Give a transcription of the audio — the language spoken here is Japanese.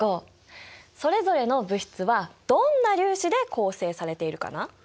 それぞれの物質はどんな粒子で構成されているかな？